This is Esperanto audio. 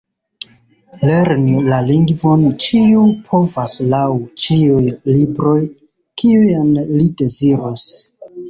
Lerni la lingvon ĉiu povas laŭ ĉiuj libroj, kiujn li deziros.